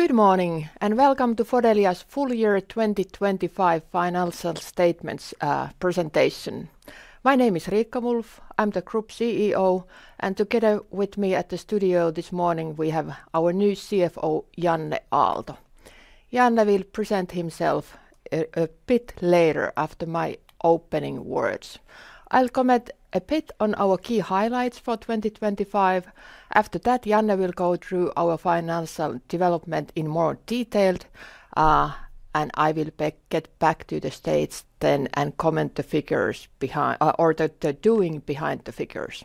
Good morning and welcome to Fodelia's Full Year 2025 Financial Statements presentation. My name is Riikka Wulff, I'm the Group CEO, and together with me at the studio this morning we have our new CFO Janne Aalto. Janne will present himself a bit later after my opening words. I'll comment a bit on our key highlights for 2025. After that, Janne will go through our financial development in more detail, and I will get back to the stage then and comment the figures behind or the doing behind the figures.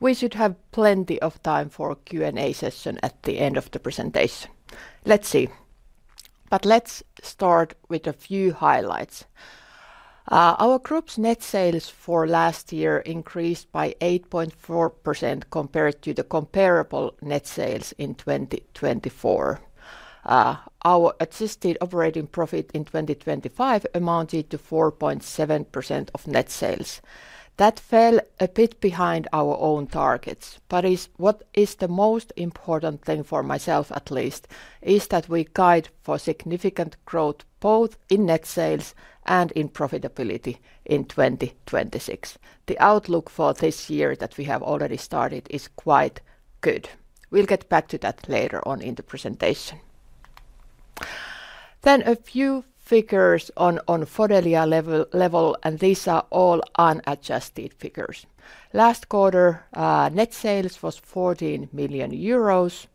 We should have plenty of time for a Q&A session at the end of the presentation. Let's see. But let's start with a few highlights. Our group's net sales for last year increased by 8.4% compared to the comparable net sales in 2024. Our adjusted operating profit in 2025 amounted to 4.7% of net sales. That fell a bit behind our own targets. But what is the most important thing for myself, at least, is that we guide for significant growth both in net sales and in profitability in 2026. The outlook for this year that we have already started is quite good. We'll get back to that later on in the presentation. Then a few figures on Fodelia level, and these are all unadjusted figures. Last quarter, net sales was 14 million euros.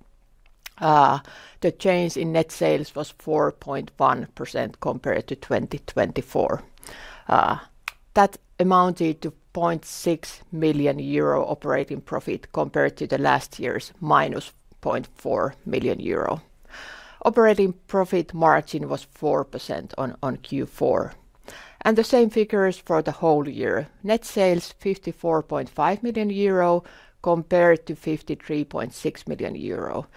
The change in net sales was 4.1% compared to 2024. That amounted to 0.6 million euro operating profit compared to the last year's -0.4 million euro. Operating profit margin was 4% on Q4. And the same figures for the whole year. Net sales 54.5 million euro compared to 53.6 million euro.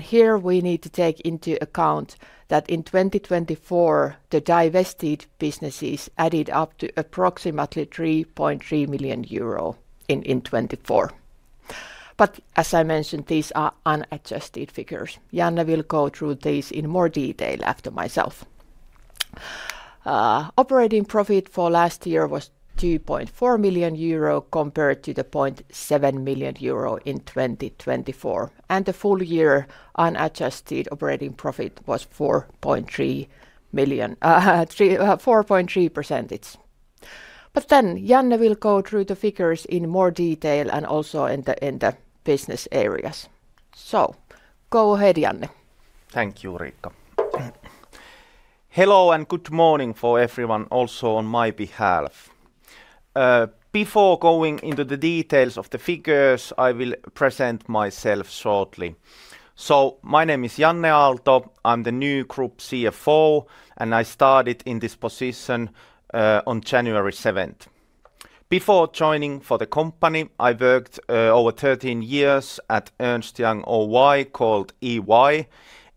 Here we need to take into account that in 2024, the divested businesses added up to approximately 3.3 million euro in 2024. As I mentioned, these are unadjusted figures. Janne will go through these in more detail after myself. Operating profit for last year was 2.4 million euro compared to the 0.7 million euro in 2024. The full year unadjusted operating profit was 4.3%. Then Janne will go through the figures in more detail and also in the business areas. Go ahead, Janne. Thank you, Riikka. Hello and good morning for everyone also on my behalf. Before going into the details of the figures, I will present myself shortly. My name is Janne Aalto. I'm the new Group CFO, and I started in this position on January 7th. Before joining for the company, I worked over 13 years at Ernst & Young Oy called EY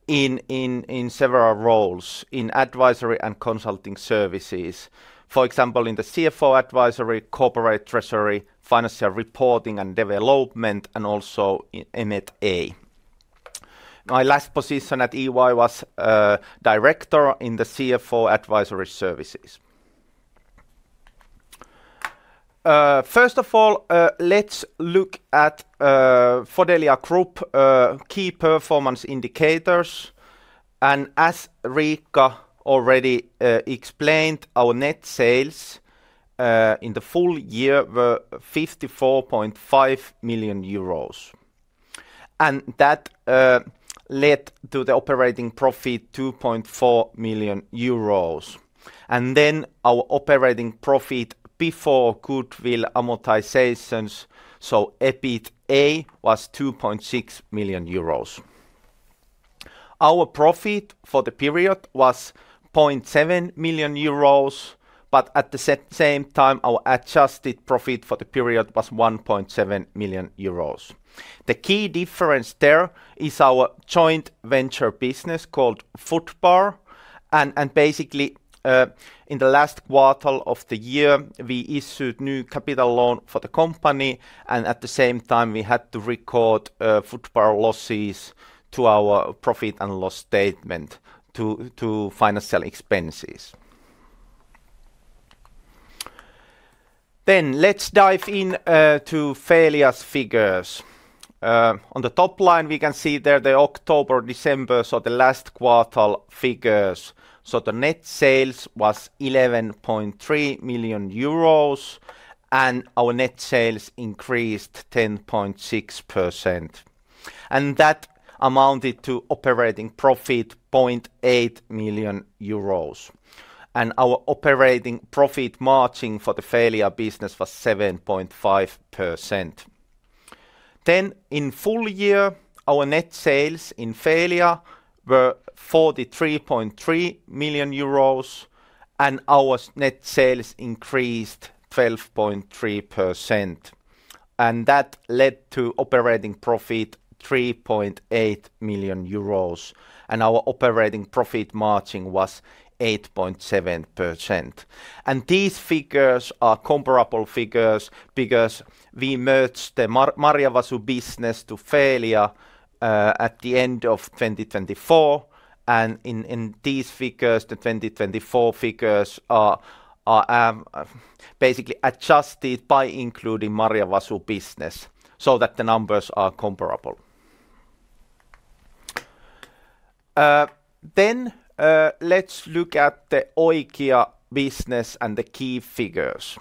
in several roles in advisory and consulting services. For example, in the CFO advisory, corporate treasury, financial reporting and development, and also in M&A. My last position at EY was Director in the CFO advisory services. First of all, let's look at Fodelia Group key performance indicators. As Riikka already explained, our net sales in the full year were 54.5 million euros. That led to the operating profit 2.4 million euros. Our operating profit before goodwill amortizations, so EBITA, was 2.6 million euros. Our profit for the period was 0.7 million euros, but at the same time, our adjusted profit for the period was 1.7 million euros. The key difference there is our joint venture business called Fodbar. And basically, in the last quarter of the year, we issued new capital loan for the company, and at the same time, we had to record Fodbar losses to our profit and loss statement to financial expenses. Then let's dive into Feelia's figures. On the top line, we can see there the October-December, so the last quarter figures. The net sales was 11.3 million euros, and our net sales increased 10.6%. And that amounted to operating profit 0.8 million euros. And our operating profit margin for the Feelia business was 7.5%. Then in full year, our net sales in Feelia were 43.3 million euros, and our net sales increased 12.3%. That led to operating profit 3.8 million euros, and our operating profit margin was 8.7%. These figures are comparable figures because we merged the Marjava business to Feelia at the end of 2024. In these figures, the 2024 figures are basically adjusted by including Marjava business so that the numbers are comparable. Let's look at the Oikia business and the key figures.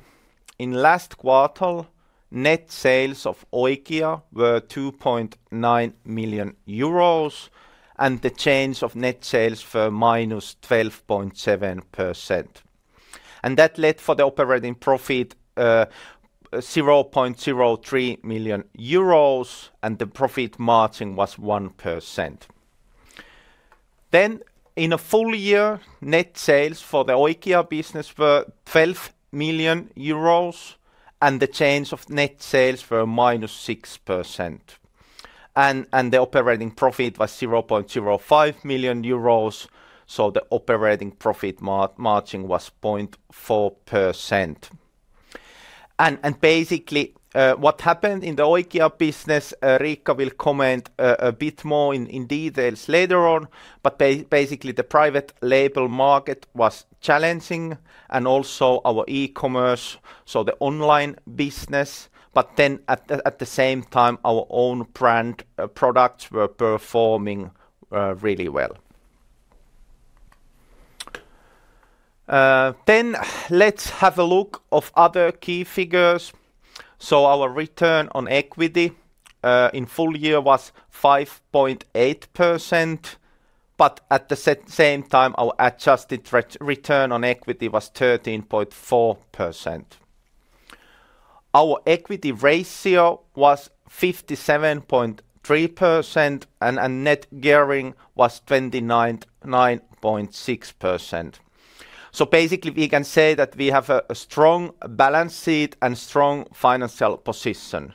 In the last quarter, net sales of Oikia were 2.9 million euros, and the change of net sales were minus 12.7%. That led for the operating profit 0.03 million euros, and the profit margin was 1%. In a full year, net sales for the Oikia business were 12 million euros, and the change of net sales were minus 6%. The operating profit was 0.05 million euros, so the operating profit margin was 0.4%. Basically, what happened in the Oikia business, Riikka will comment a bit more in details later on. Basically, the private label market was challenging, and also our e-commerce, so the online business. Then at the same time, our own brand products were performing really well. Let's have a look at other key figures. Our return on equity in full year was 5.8%. At the same time, our adjusted return on equity was 13.4%. Our equity ratio was 57.3%, and net gearing was 29.6%. Basically, we can say that we have a strong balance sheet and strong financial position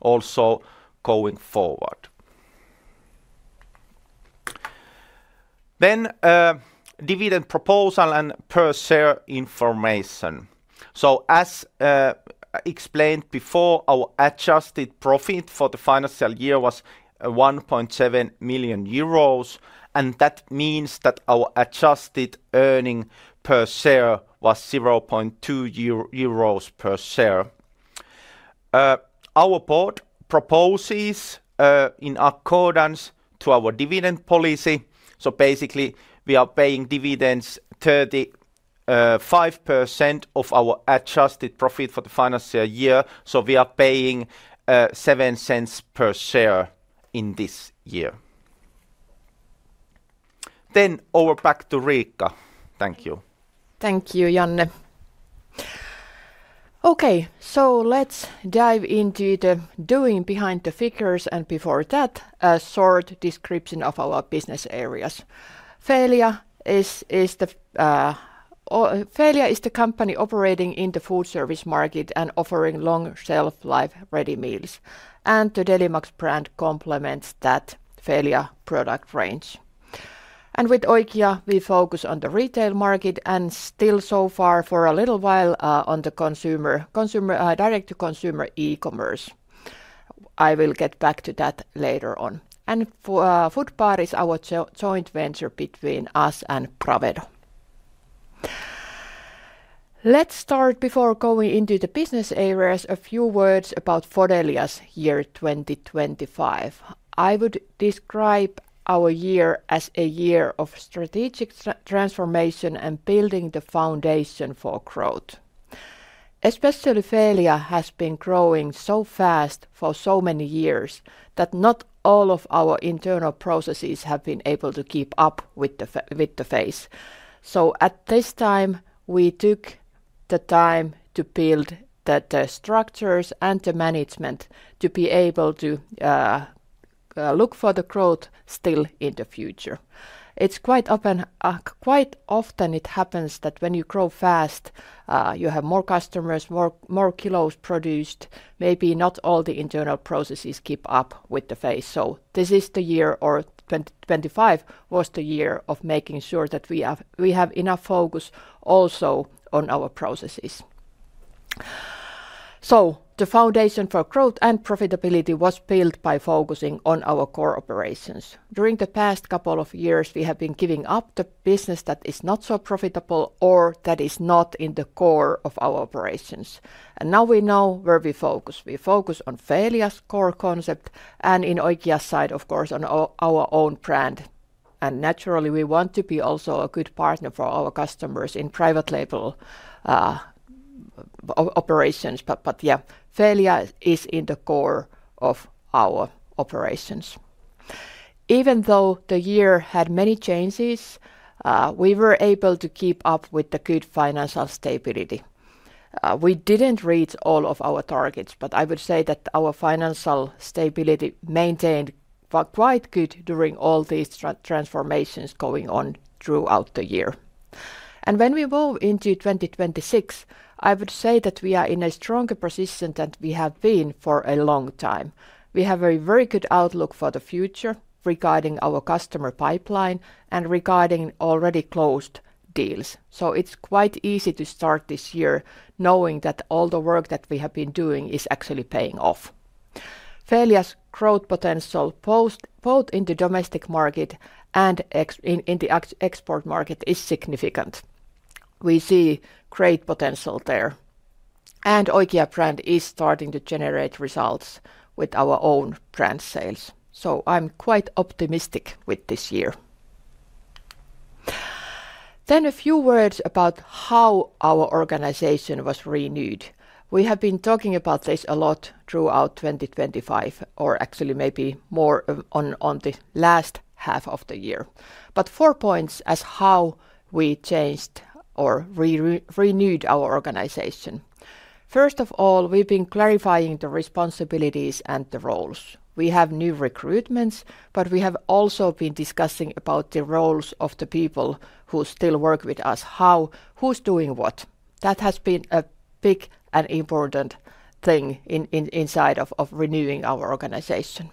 also going forward. Dividend proposal and per share information. As explained before, our adjusted profit for the financial year was 1.7 million euros. That means that our adjusted earnings per share was 0.2 euros per share. Our board proposes in accordance to our dividend policy. Basically, we are paying dividends 35% of our adjusted profit for the financial year. We are paying 0.07 cents per share in this year. Then over back to Riikka. Thank you. Thank you, Janne. Okay, so let's dive into the doing behind the figures. Before that, a short description of our business areas. Feelia is the company operating in the food service market and offering long shelf life ready meals. The Delimax brand complements that Feelia product range. With Oikia, we focus on the retail market and still so far for a little while on the direct-to-consumer e-commerce. I will get back to that later on. Fodbar is our joint venture between us and Bravedo. Let's start before going into the business areas a few words about Fodelia's year 2025. I would describe our year as a year of strategic transformation and building the foundation for growth. Especially Feelia has been growing so fast for so many years that not all of our internal processes have been able to keep up with the pace. So, at this time, we took the time to build the structures and the management to be able to look for the growth still in the future. It's quite often it happens that when you grow fast, you have more customers, more kilos produced. Maybe not all the internal processes keep up with the pace. So, this is the year, or 2025 was the year of making sure that we have enough focus also on our processes. So, the foundation for growth and profitability was built by focusing on our core operations. During the past couple of years, we have been giving up the business that is not so profitable or that is not in the core of our operations. And now we know where we focus. We focus on Feelia's core concept and in Oikia's side, of course, on our own brand. Naturally, we want to be also a good partner for our customers in private label operations. But yeah, Feelia is in the core of our operations. Even though the year had many changes, we were able to keep up with the good financial stability. We didn't reach all of our targets, but I would say that our financial stability maintained quite good during all these transformations going on throughout the year. When we move into 2026, I would say that we are in a stronger position than we have been for a long time. We have a very good outlook for the future regarding our customer pipeline and regarding already closed deals. It's quite easy to start this year knowing that all the work that we have been doing is actually paying off. Feelia's growth potential both in the domestic market and in the export market is significant. We see great potential there. And Oikia brand is starting to generate results with our own brand sales. So I'm quite optimistic with this year. Then a few words about how our organization was renewed. We have been talking about this a lot throughout 2025, or actually maybe more on the last half of the year. But four points as how we changed or renewed our organization. First of all, we've been clarifying the responsibilities and the roles. We have new recruitments, but we have also been discussing about the roles of the people who still work with us. How? Who's doing what? That has been a big and important thing inside of renewing our organization.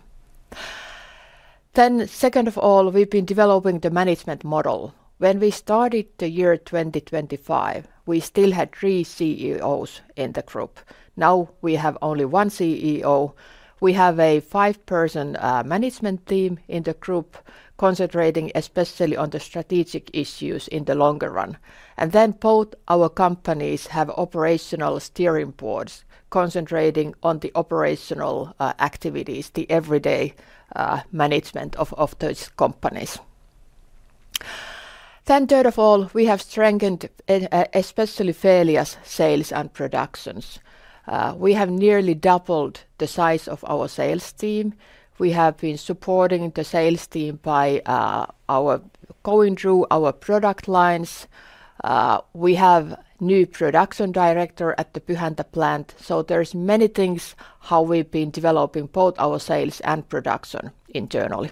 Then second of all, we've been developing the management model. When we started the year 2025, we still had three CEOs in the group. Now we have only 1 CEO. We have a 5-person management team in the group concentrating especially on the strategic issues in the longer run. Then both our companies have operational steering boards concentrating on the operational activities, the everyday management of those companies. Then third of all, we have strengthened especially Feelia's sales and production. We have nearly doubled the size of our sales team. We have been supporting the sales team by going through our product lines. We have a new production director at the Pyhäntä plant. There are many things how we've been developing both our sales and production internally.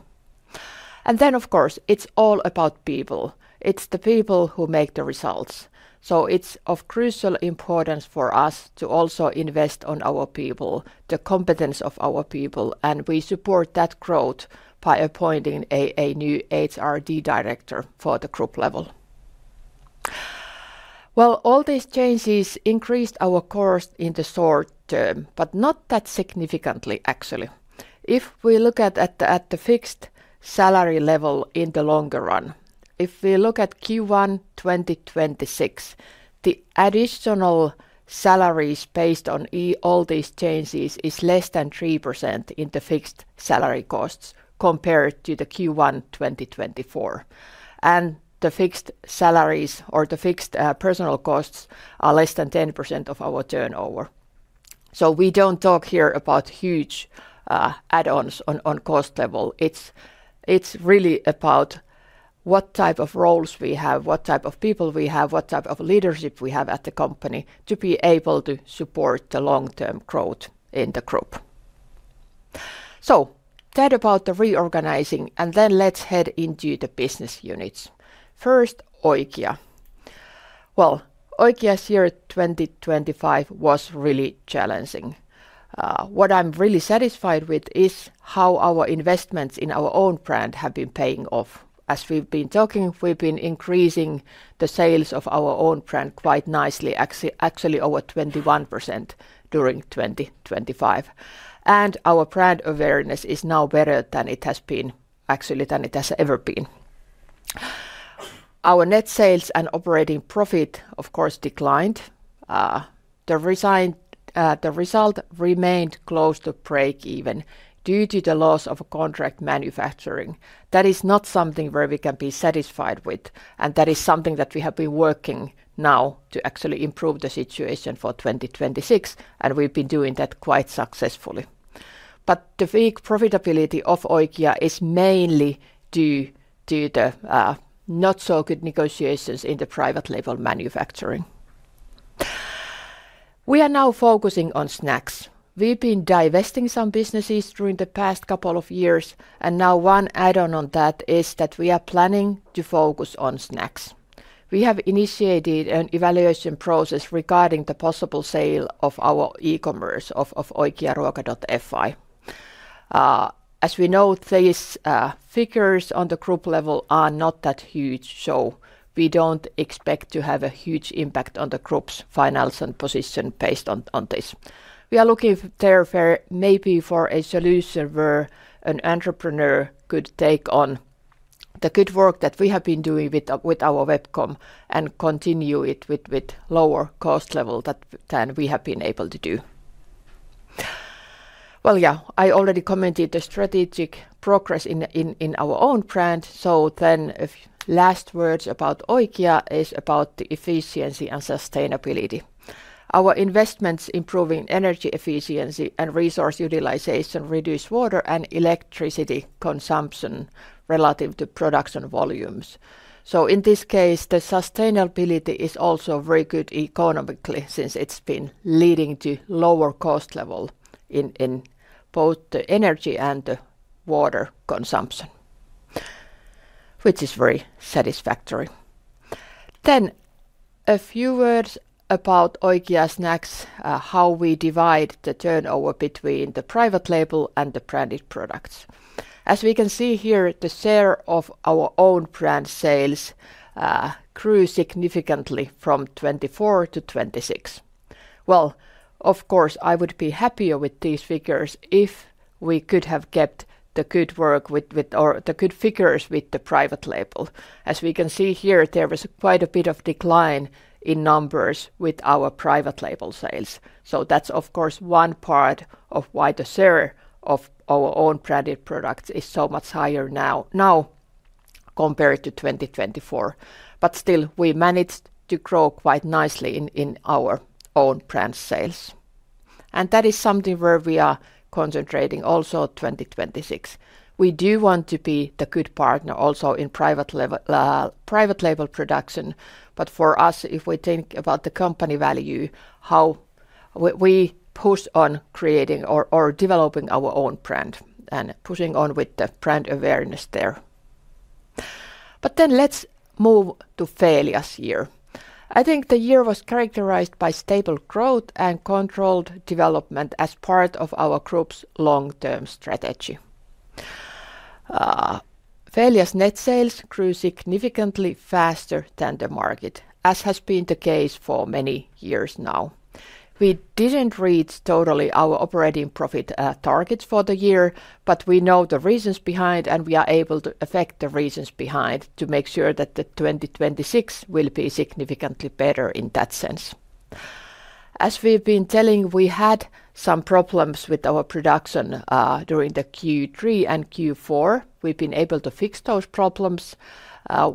Then, of course, it's all about people. It's the people who make the results. So it's of crucial importance for us to also invest in our people, the competence of our people. We support that growth by appointing a new HRD director for the group level. Well, all these changes increased our cost in the short term, but not that significantly, actually. If we look at the fixed salary level in the longer run, if we look at Q1 2026, the additional salaries based on all these changes are less than 3% in the fixed salary costs compared to the Q1 2024. The fixed salaries or the fixed personal costs are less than 10% of our turnover. So we don't talk here about huge add-ons on cost level. It's really about what type of roles we have, what type of people we have, what type of leadership we have at the company to be able to support the long-term growth in the group. So that about the reorganizing. And then let's head into the business units. First, Oikia. Well, Oikia's year 2025 was really challenging. What I'm really satisfied with is how our investments in our own brand have been paying off. As we've been talking, we've been increasing the sales of our own brand quite nicely, actually over 21% during 2025. And our brand awareness is now better than it has been, actually, than it has ever been. Our net sales and operating profit, of course, declined. The result remained close to break-even due to the loss of contract manufacturing. That is not something where we can be satisfied with. That is something that we have been working now to actually improve the situation for 2026. We've been doing that quite successfully. But the weak profitability of Oikia is mainly due to the not-so-good negotiations in the private label manufacturing. We are now focusing on snacks. We've been divesting some businesses during the past couple of years. Now one add-on on that is that we are planning to focus on snacks. We have initiated an evaluation process regarding the possible sale of our e-commerce, of Feelia Ruokakauppa. As we know, these figures on the group level are not that huge. So we don't expect to have a huge impact on the group's financial position based on this. We are looking there maybe for a solution where an entrepreneur could take on the good work that we have been doing with our webcom and continue it with lower cost level than we have been able to do. Well, yeah, I already commented on the strategic progress in our own brand. So then last words about Oikia are about the efficiency and sustainability. Our investments improving energy efficiency and resource utilization reduce water and electricity consumption relative to production volumes. So in this case, the sustainability is also very good economically since it's been leading to lower cost level in both the energy and the water consumption, which is very satisfactory. Then a few words about Oikia snacks, how we divide the turnover between the private label and the branded products. As we can see here, the share of our own brand sales grew significantly from 24-26. Well, of course, I would be happier with these figures if we could have kept the good work with the good figures with the private label. As we can see here, there was quite a bit of decline in numbers with our private label sales. So that's, of course, one part of why the share of our own branded products is so much higher now compared to 2024. But still, we managed to grow quite nicely in our own brand sales. And that is something where we are concentrating also in 2026. We do want to be the good partner also in private label production. But for us, if we think about the company value, how we push on creating or developing our own brand and pushing on with the brand awareness there. But then let's move to Feelia's year. I think the year was characterized by stable growth and controlled development as part of our group's long-term strategy. Feelia's net sales grew significantly faster than the market, as has been the case for many years now. We didn't reach totally our operating profit targets for the year, but we know the reasons behind and we are able to affect the reasons behind to make sure that the 2026 will be significantly better in that sense. As we've been telling, we had some problems with our production during the Q3 and Q4. We've been able to fix those problems.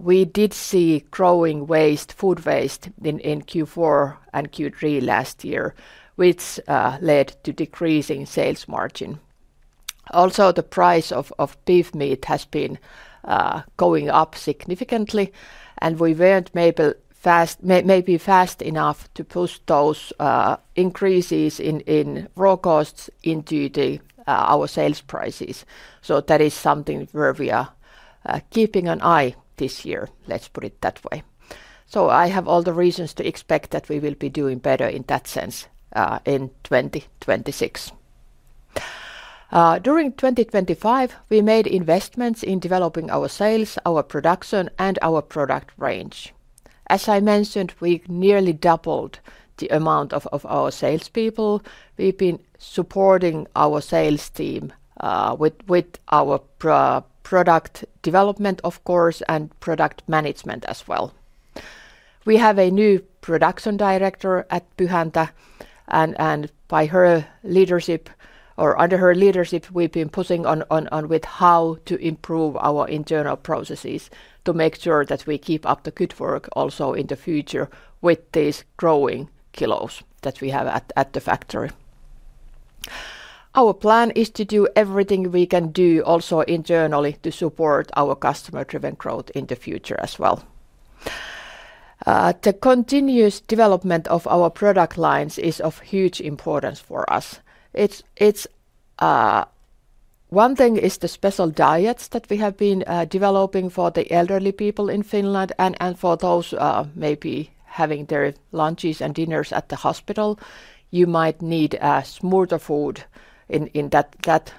We did see growing food waste in Q4 and Q3 last year, which led to decreasing sales margin. Also, the price of beef meat has been going up significantly. And we weren't maybe fast enough to push those increases in raw costs into our sales prices. So that is something where we are keeping an eye this year. Let's put it that way. So I have all the reasons to expect that we will be doing better in that sense in 2026. During 2025, we made investments in developing our sales, our production, and our product range. As I mentioned, we nearly doubled the amount of our salespeople. We've been supporting our sales team with our product development, of course, and product management as well. We have a new production director at Pyhäntä. And by her leadership, or under her leadership, we've been pushing on with how to improve our internal processes to make sure that we keep up the good work also in the future with these growing kilos that we have at the factory. Our plan is to do everything we can do also internally to support our customer-driven growth in the future as well. The continuous development of our product lines is of huge importance for us. One thing is the special diets that we have been developing for the elderly people in Finland. For those maybe having their lunches and dinners at the hospital, you might need smoother food in that,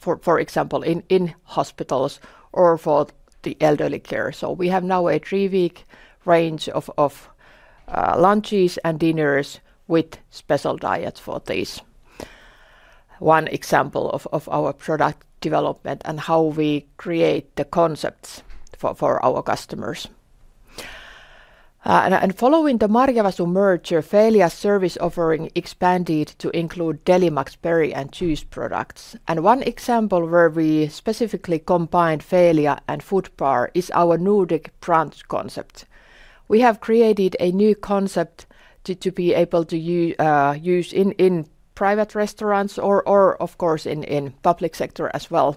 for example, in hospitals or for the elderly care. We have now a three-week range of lunches and dinners with special diets for these. One example of our product development and how we create the concepts for our customers. Following the Marjava merger, Feelia's service offering expanded to include Delimax berry and juice products. One example where we specifically combined Feelia and Fodbar is our Nordic brunch concept. We have created a new concept to be able to use in private restaurants or, of course, in the public sector as well.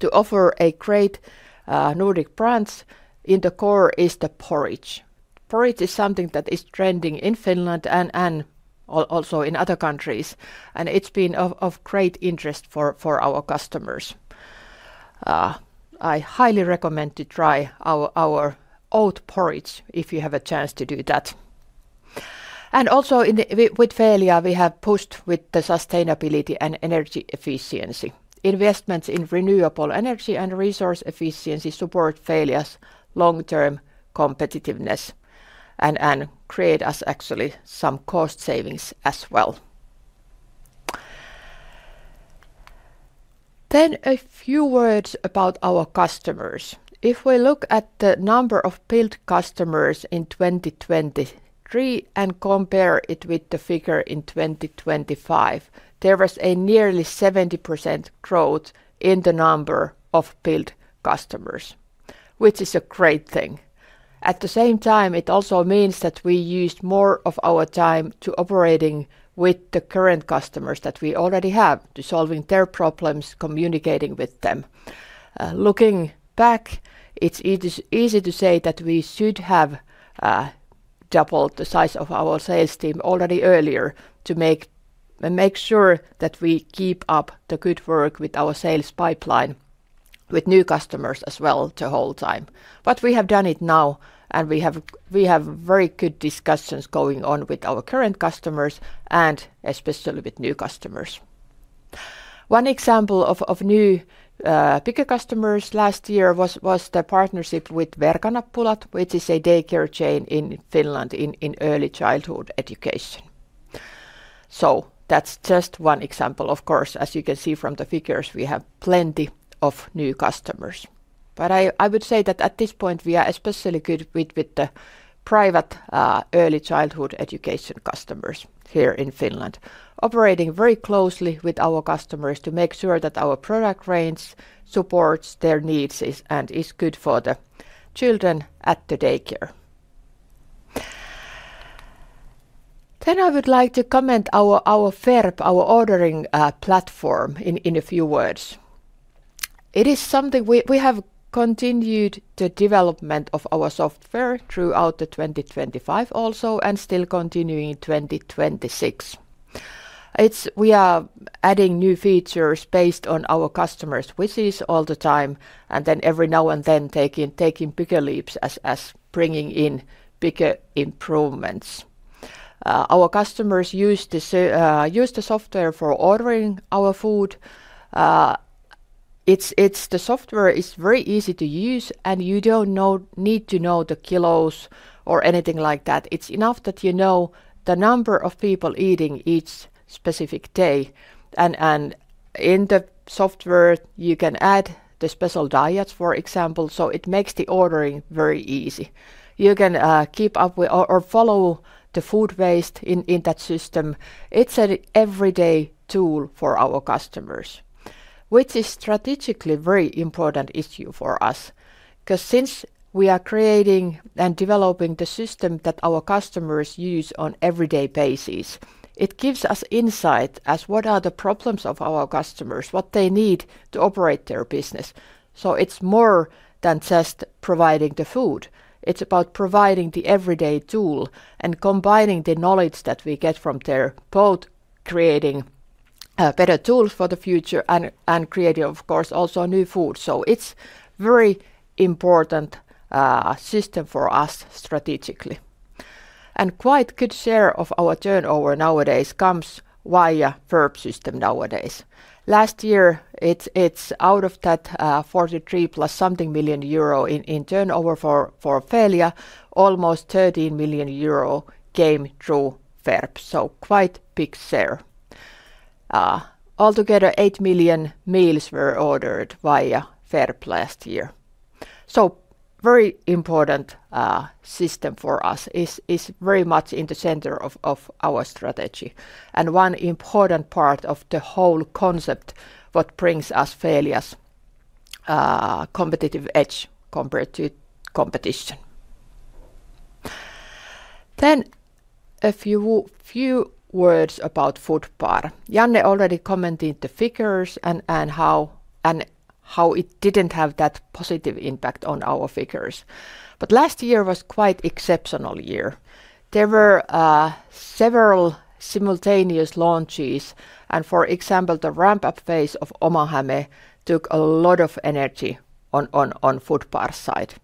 To offer a great Nordic Brunch, in the core is the porridge. Porridge is something that is trending in Finland and also in other countries. And it's been of great interest for our customers. I highly recommend to try our oat porridge if you have a chance to do that. And also with Feelia, we have pushed with the sustainability and energy efficiency. Investments in renewable energy and resource efficiency support Feelia's long-term competitiveness and create us actually some cost savings as well. Then a few words about our customers. If we look at the number of billed customers in 2023 and compare it with the figure in 2025, there was a nearly 70% growth in the number of billed customers, which is a great thing. At the same time, it also means that we used more of our time to operate with the current customers that we already have, to solving their problems, communicating with them. Looking back, it's easy to say that we should have doubled the size of our sales team already earlier to make sure that we keep up the good work with our sales pipeline, with new customers as well the whole time. But we have done it now, and we have very good discussions going on with our current customers and especially with new customers. One example of new bigger customers last year was the partnership with Verkanappulat, which is a daycare chain in Finland in early childhood education. So that's just one example, of course. As you can see from the figures, we have plenty of new customers. But I would say that at this point, we are especially good with the private early childhood education customers here in Finland, operating very closely with our customers to make sure that our product range supports their needs and is good for the children at the daycare. Then I would like to comment on our FERP, our ordering platform, in a few words. It is something we have continued the development of our software throughout 2025 also and still continuing in 2026. We are adding new features based on our customers' wishes all the time and then every now and then taking bigger leaps as bringing in bigger improvements. Our customers use the software for ordering our food. The software is very easy to use, and you don't need to know the kilos or anything like that. It's enough that you know the number of people eating each specific day. In the software, you can add the special diets, for example. It makes the ordering very easy. You can keep up with or follow the food waste in that system. It's an everyday tool for our customers, which is a strategically very important issue for us. Because since we are creating and developing the system that our customers use on an everyday basis, it gives us insight as what are the problems of our customers, what they need to operate their business. It's more than just providing the food. It's about providing the everyday tool and combining the knowledge that we get from there, both creating better tools for the future and creating, of course, also new food. It's a very important system for us strategically. Quite a good share of our turnover nowadays comes via FERP system nowadays. Last year, it's out of that 43 + something million in turnover for Feelia, almost 13 million euro came through FERP. So quite a big share. Altogether, 8 million meals were ordered via FERP last year. So a very important system for us is very much in the center of our strategy and one important part of the whole concept, what brings us Feelia's competitive edge compared to competition. Then a few words about Fodbar. Janne already commented on the figures and how it didn't have that positive impact on our figures. But last year was quite an exceptional year. There were several simultaneous launches. For example, the ramp-up phase of OmaHäme took a lot of energy on Fodbar's side.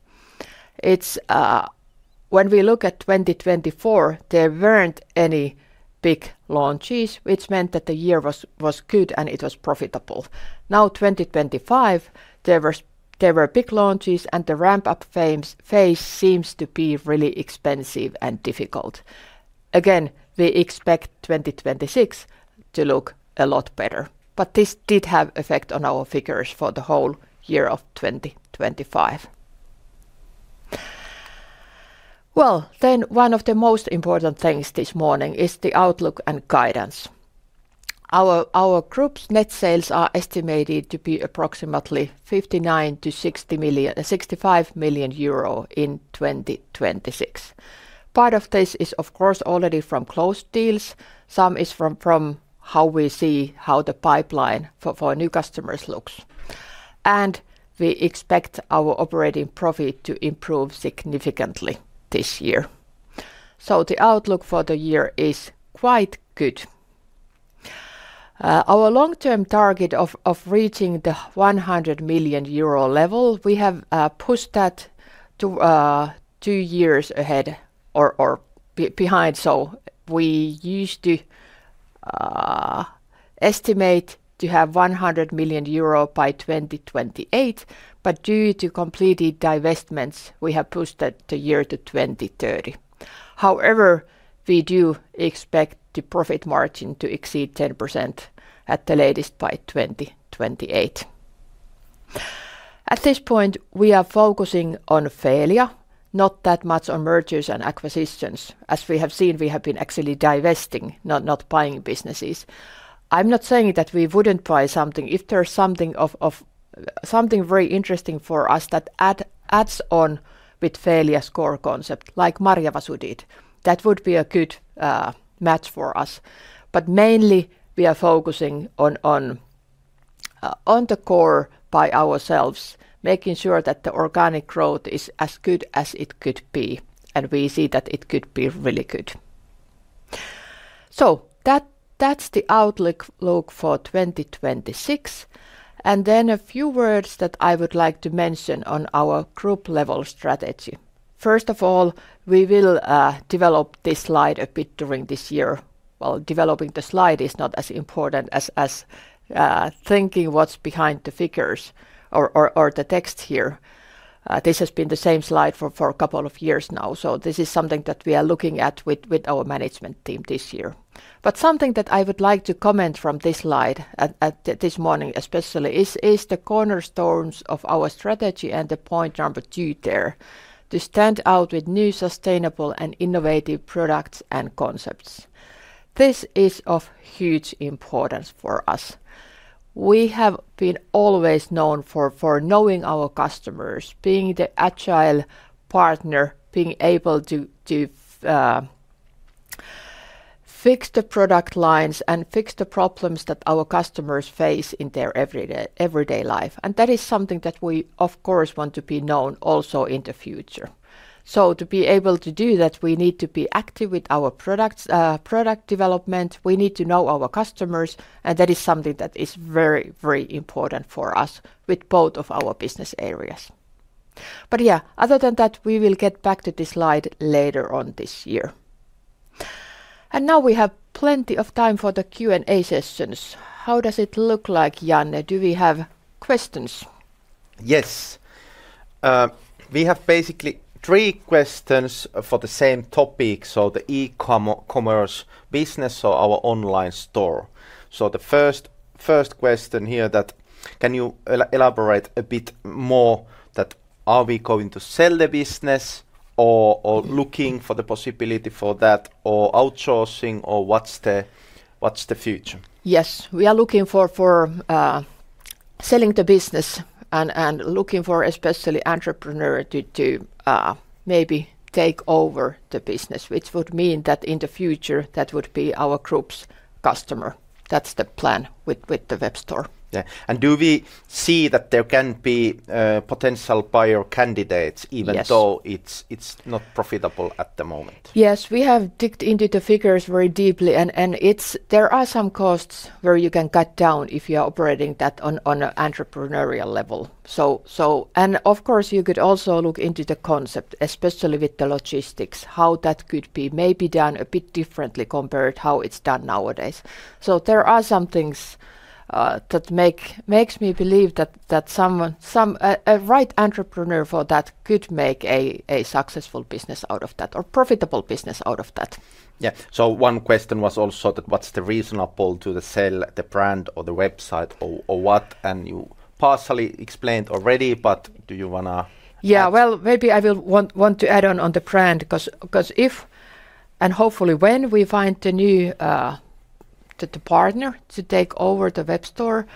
When we look at 2024, there weren't any big launches, which meant that the year was good and it was profitable. Now, in 2025, there were big launches, and the ramp-up phase seems to be really expensive and difficult. Again, we expect 2026 to look a lot better. But this did have an effect on our figures for the whole year of 2025. Well, then one of the most important things this morning is the outlook and guidance. Our group's net sales are estimated to be approximately 59 million-65 million euro in 2026. Part of this is, of course, already from closed deals. Some is from how we see how the pipeline for new customers looks. And we expect our operating profit to improve significantly this year. So the outlook for the year is quite good. Our long-term target of reaching the 100 million euro level, we have pushed that two years ahead or behind. So we used to estimate to have 100 million euro by 2028. But due to completed divestments, we have pushed the year to 2030. However, we do expect the profit margin to exceed 10% at the latest by 2028. At this point, we are focusing on Feelia, not that much on mergers and acquisitions. As we have seen, we have been actually divesting, not buying businesses. I'm not saying that we wouldn't buy something. If there's something very interesting for us that adds on with Feelia's core concept, like Marjava did, that would be a good match for us. But mainly, we are focusing on the core by ourselves, making sure that the organic growth is as good as it could be. And we see that it could be really good. So that's the outlook for 2026. And then a few words that I would like to mention on our group-level strategy. First of all, we will develop this slide a bit during this year. Well, developing the slide is not as important as thinking what's behind the figures or the text here. This has been the same slide for a couple of years now. So this is something that we are looking at with our management team this year. But something that I would like to comment from this slide this morning, especially, is the cornerstones of our strategy and the point number two there, to stand out with new, sustainable, and innovative products and concepts. This is of huge importance for us. We have been always known for knowing our customers, being the agile partner, being able to fix the product lines and fix the problems that our customers face in their everyday life. And that is something that we, of course, want to be known also in the future. So to be able to do that, we need to be active with our product development. We need to know our customers. And that is something that is very, very important for us with both of our business areas. But yeah, other than that, we will get back to this slide later on this year. And now we have plenty of time for the Q&A sessions. How does it look like, Janne? Do we have questions? Yes. We have basically three questions for the same topic. So the e-commerce business or our online store. So the first question here that can you elaborate a bit more that are we going to sell the business or looking for the possibility for that or outsourcing or what's the future? Yes, we are looking for selling the business and looking for especially entrepreneurs to maybe take over the business, which would mean that in the future, that would be our group's customer. That's the plan with the web store. And do we see that there can be potential buyer candidates even though it's not profitable at the moment? Yes, we have dug into the figures very deeply. And there are some costs where you can cut down if you are operating that on an entrepreneurial level. And of course, you could also look into the concept, especially with the logistics, how that could be maybe done a bit differently compared to how it's done nowadays. So there are some things that make me believe that some right entrepreneur for that could make a successful business out of that or profitable business out of that. Yeah, so one question was also that what's the reasonable pull to sell the brand or the website or what? And you partially explained already, but do you want to... Yeah, well, maybe I will want to add on on the brand because if and hopefully when we find the new partner to take over the web store,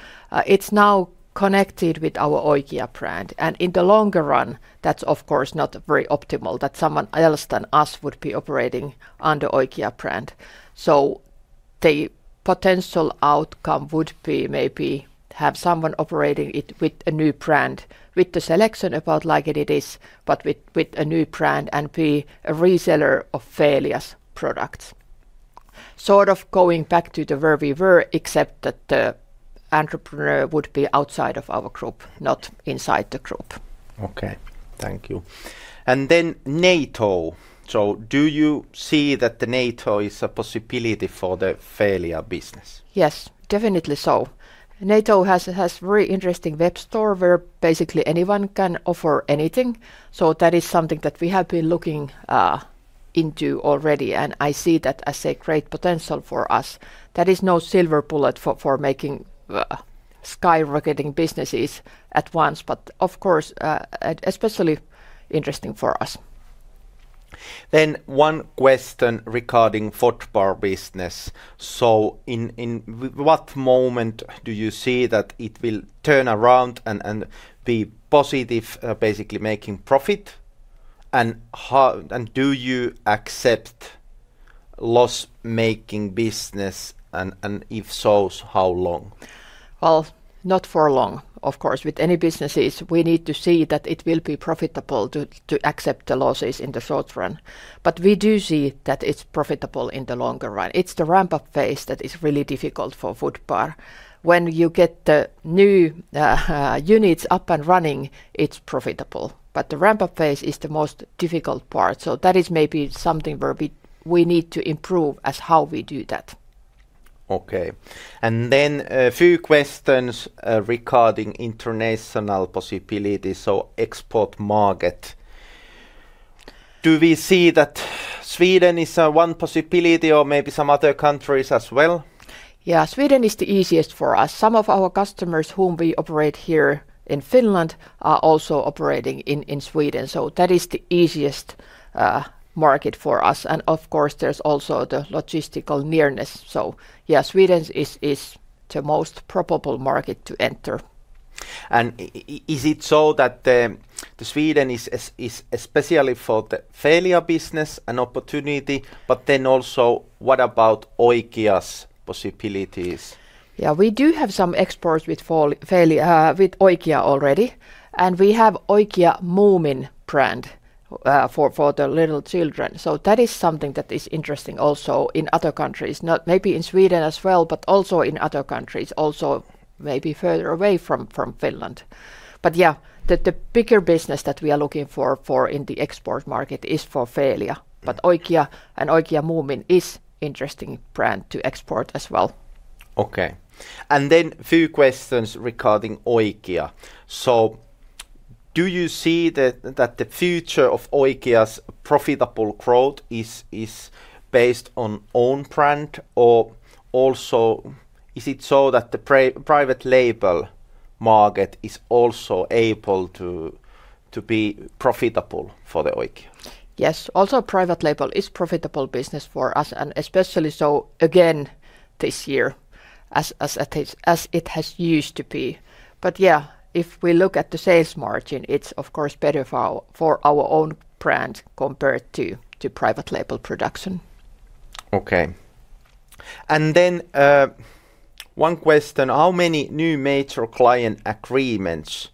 it's now connected with our Oikia brand. And in the longer run, that's, of course, not very optimal that someone else than us would be operating under Oikia brand. So the potential outcome would be maybe have someone operating it with a new brand, with the selection about like it is, but with a new brand and be a reseller of Feelia's products. Sort of going back to the where we were, except that the entrepreneur would be outside of our group, not inside the group. Okay, thank you. And then NATO. So do you see that NATO is a possibility for the Feelia business? Yes, definitely so. NATO has a very interesting web store where basically anyone can offer anything. So that is something that we have been looking into already. And I see that as a great potential for us. That is no silver bullet for making skyrocketing businesses at once, but of course, especially interesting for us. Then one question regarding Fodbar business. So in what moment do you see that it will turn around and be positive, basically making profit? And do you accept loss-making business? And if so, how long? Well, not for long, of course. With any businesses, we need to see that it will be profitable to accept the losses in the short run. But we do see that it's profitable in the longer run. It's the ramp-up phase that is really difficult for Fodbar. When you get the new units up and running, it's profitable. But the ramp-up phase is the most difficult part. So that is maybe something where we need to improve as how we do that. Okay. And then a few questions regarding international possibilities. So export market. Do we see that Sweden is one possibility or maybe some other countries as well? Yeah, Sweden is the easiest for us. Some of our customers whom we operate here in Finland are also operating in Sweden. So that is the easiest market for us. And of course, there's also the logistical nearness. So yeah, Sweden is the most probable market to enter. And is it so that Sweden is especially for the Feelia business an opportunity? But then also, what about Oikia's possibilities? Yeah, we do have some exports with Oikia already. We have Oikia Moomin brand for the little children. So that is something that is interesting also in other countries. Maybe in Sweden as well, but also in other countries, also maybe further away from Finland. But yeah, the bigger business that we are looking for in the export market is for Feelia. But Oikia and Oikia Moomin is an interesting brand to export as well. Okay. And then a few questions regarding Oikia. So do you see that the future of Oikia's profitable growth is based on its own brand? Or also is it so that the private label market is also able to be profitable for Oikia? Yes, also private label is a profitable business for us. And especially so, again, this year as it has used to be. But yeah, if we look at the sales margin, it's, of course, better for our own brand compared to private label production. Okay. And then one question. How many new major client agreements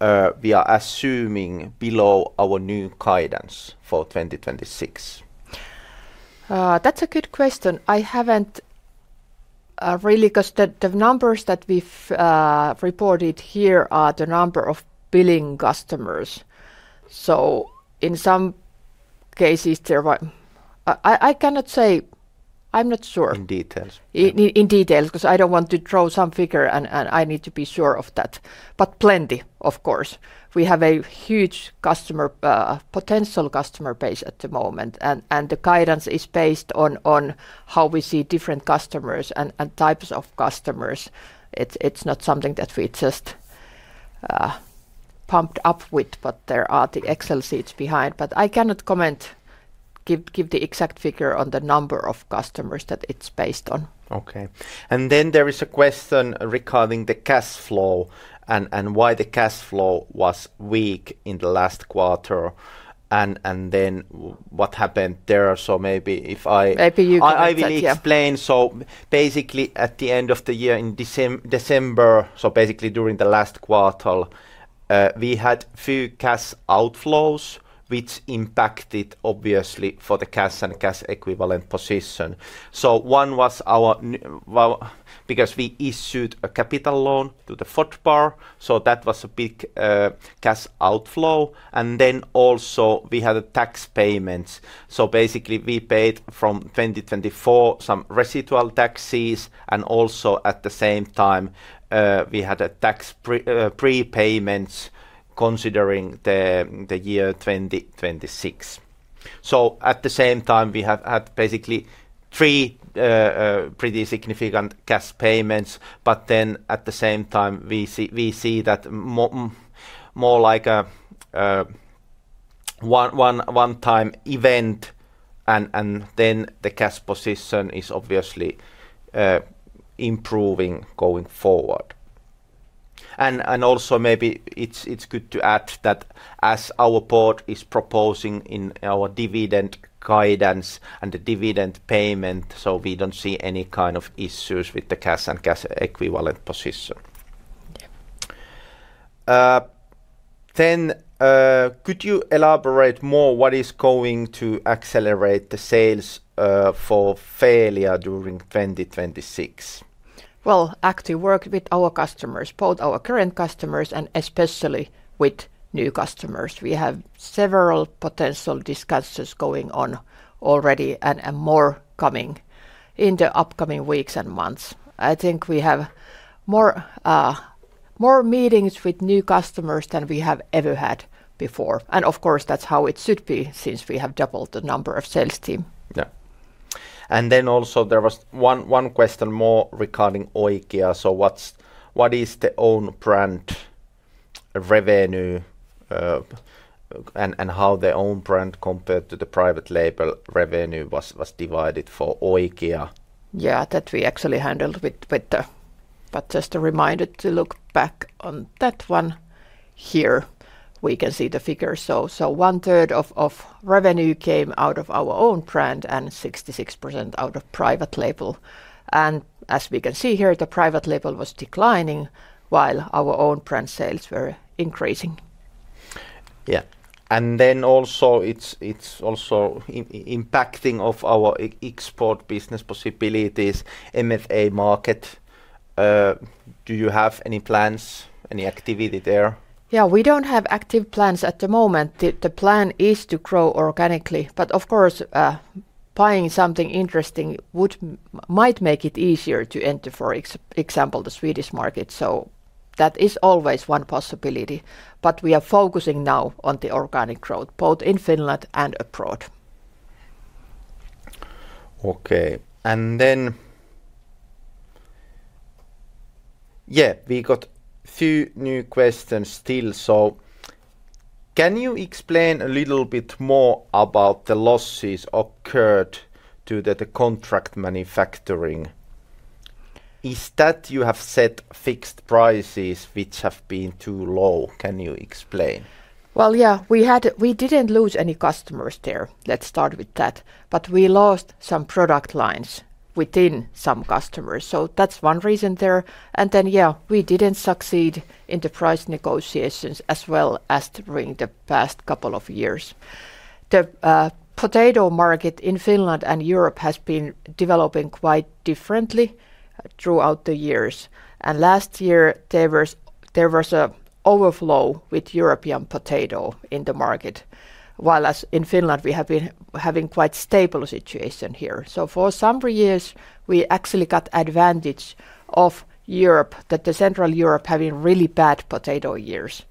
we are assuming below our new guidance for 2026? That's a good question. I haven't really because the numbers that we've reported here are the number of billing customers. So in some cases, there are... I cannot say. I'm not sure. In details. In details because I don't want to draw some figure and I need to be sure of that. But plenty, of course. We have a huge potential customer base at the moment. And the guidance is based on how we see different customers and types of customers. It's not something that we just pumped up with, but there are the Excel sheets behind. But I cannot comment, give the exact figure on the number of customers that it's based on. Okay. Then there is a question regarding the cash flow and why the cash flow was weak in the last quarter. Then what happened there? So maybe you can answer that. I will explain. So basically, at the end of the year, in December, so basically during the last quarter, we had few cash outflows, which impacted, obviously, for the cash and cash equivalent position. So one was because we issued a capital loan to the Fodbar. So that was a big cash outflow. And then also, we had tax payments. So basically, we paid from 2024 some residual taxes. And also at the same time, we had tax prepayments considering the year 2026. So at the same time, we have had basically three pretty significant cash payments. But then at the same time, we see that more like a one-time event. And then the cash position is obviously improving going forward. And also maybe it's good to add that as our board is proposing in our dividend guidance and the dividend payment, so we don't see any kind of issues with the cash and cash equivalent position. Then could you elaborate more on what is going to accelerate the sales for Feelia during 2026? Well, actively work with our customers, both our current customers and especially with new customers. We have several potential discussions going on already and more coming in the upcoming weeks and months. I think we have more meetings with new customers than we have ever had before. And of course, that's how it should be since we have doubled the number of sales team. Yeah. And then also there was one question more regarding Oikia. So what is the own brand revenue and how the own brand compared to the private label revenue was divided for Oikia? Yeah, that we actually handled with the... But just a reminder to look back on that one. Here we can see the figure. So 1/3 of revenue came out of our own brand and 66% out of private label. And as we can see here, the private label was declining while our own brand sales were increasing. Yeah. And then also it's also impacting our export business possibilities, MFA market. Do you have any plans, any activity there? Yeah, we don't have active plans at the moment. The plan is to grow organically. But of course, buying something interesting might make it easier to enter, for example, the Swedish market. So that is always one possibility. But we are focusing now on the organic growth, both in Finland and abroad. Okay. And then... Yeah, we got a few new questions still. So can you explain a little bit more about the losses that occurred to the contract manufacturing? Is that you have set fixed prices which have been too low? Can you explain? Well, yeah, we didn't lose any customers there. Let's start with that. But we lost some product lines within some customers. So that's one reason there. And then, yeah, we didn't succeed in the price negotiations as well as during the past couple of years. The potato market in Finland and Europe has been developing quite differently throughout the years. Last year, there was an overflow with European potato in the market. Whereas in Finland, we have been having a quite stable situation here. So for some years, we actually got advantage of Europe, that the Central Europe having really bad potato years.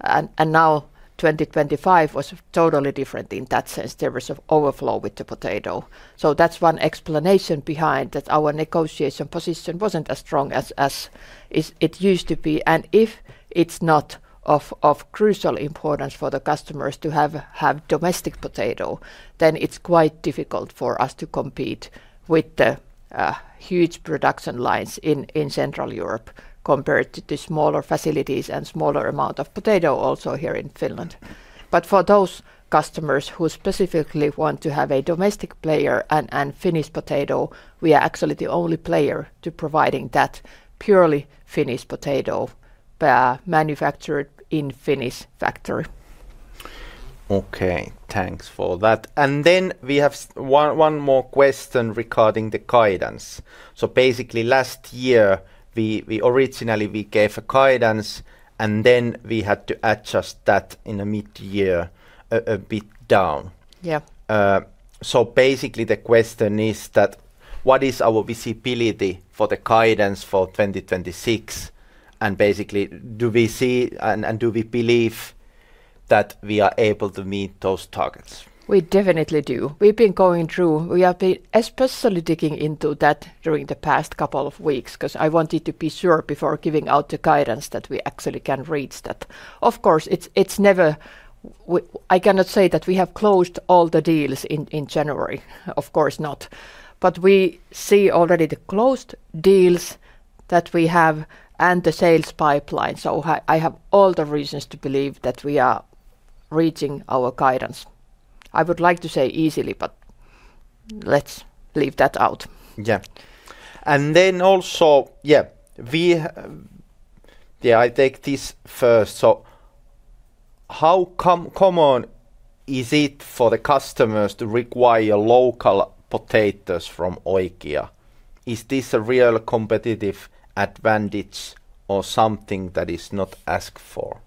And now 2025 was totally different in that sense. There was an overflow with the potato. So that's one explanation behind that our negotiation position wasn't as strong as it used to be. And if it's not of crucial importance for the customers to have domestic potato, then it's quite difficult for us to compete with the huge production lines in Central Europe compared to the smaller facilities and smaller amount of potato also here in Finland. But for those customers who specifically want to have a domestic player and Finnish potato, we are actually the only player providing that purely Finnish potato manufactured in a Finnish factory. Okay, thanks for that. Then we have one more question regarding the guidance. Basically, last year, we originally gave a guidance, and then we had to adjust that in the mid-year a bit down. Yeah. So basically, the question is that what is our visibility for the guidance for 2026? And basically, do we see and do we believe that we are able to meet those targets? We definitely do. We've been going through. We have been especially digging into that during the past couple of weeks because I wanted to be sure before giving out the guidance that we actually can reach that. Of course, it's never... I cannot say that we have closed all the deals in January. Of course, not. But we see already the closed deals that we have and the sales pipeline. So I have all the reasons to believe that we are reaching our guidance. I would like to say easily, but let's leave that out. Yeah. And then also, yeah, we... Yeah, I take this first. So how common is it for the customers to require local potatoes from Oikia? Is this a real competitive advantage or something that is not asked for?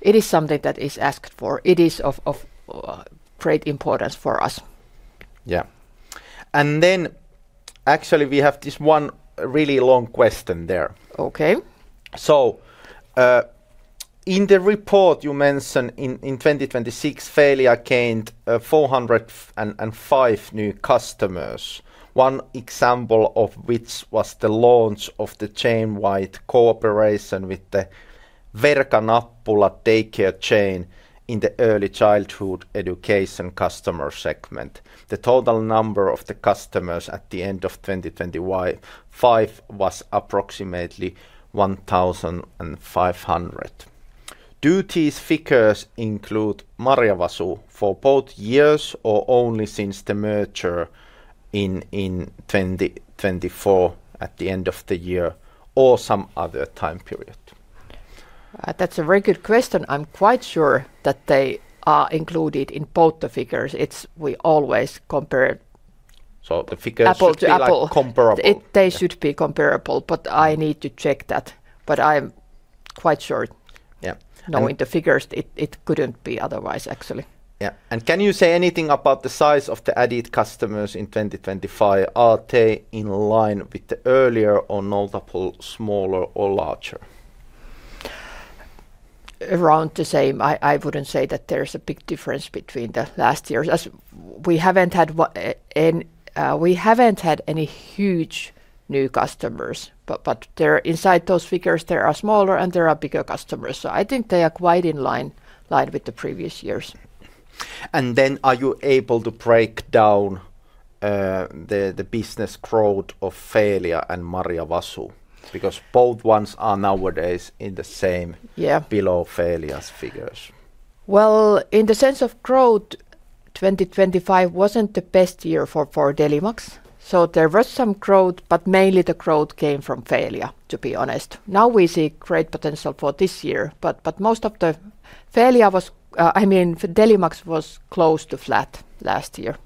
It is something that is asked for. It is of great importance for us. Yeah. And then actually, we have this one really long question there. Okay. So in the report, you mentioned in 2026, Feelia gained 405 new customers, one example of which was the launch of the chainwide cooperation with the Verkanappulat daycare chain in the early childhood education customer segment. The total number of the customers at the end of 2025 was approximately 1,500. Do these figures include Marjava for both years or only since the merger in 2024 at the end of the year or some other time period? That's a very good question. I'm quite sure that they are included in both the figures. We always compare. So the figures feel like comparable. They should be comparable, but I need to check that. But I'm quite sure. Yeah. Knowing the figures, it couldn't be otherwise, actually. Yeah. And can you say anything about the size of the added customers in 2025? Are they in line with the earlier or multiple, smaller or larger? Around the same. I wouldn't say that there's a big difference between the last years. We haven't had any huge new customers. But inside those figures, there are smaller and there are bigger customers. So I think they are quite in line with the previous years. And then are you able to break down the business growth of Feelia and Marjava? Because both ones are nowadays in the same below Feelia's figures. Well, in the sense of growth, 2025 wasn't the best year for Delimax. So there was some growth, but mainly the growth came from Feelia, to be honest. Now we see great potential for this year. But most of the Feelia was... I mean, Delimax was close to flat last year.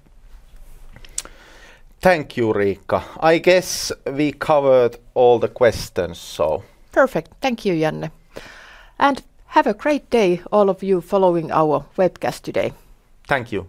Thank you, Riikka. I guess we covered all the questions, so... Perfect. Thank you, Janne. Have a great day, all of you, following our webcast today. Thank you.